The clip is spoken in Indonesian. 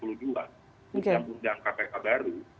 ujian undang kpk baru